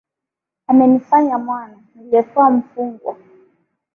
Amenifanya mwana, niliyekuwa mfungwa